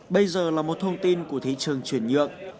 bây giờ là một thông tin của thị trường chuyển nhượng